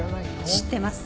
知ってます。